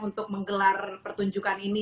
untuk menggelar pertunjukan ini